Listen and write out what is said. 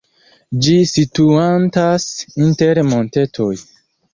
Ĝi situantas inter montetoj.